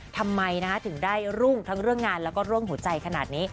ทำไมถึงได้รุ่งทั้งเรื่องงานแล้วก็เรื่องหัวใจขนาดนี้